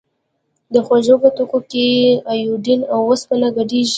د خوړو په توکو کې ایوډین او اوسپنه ګډیږي؟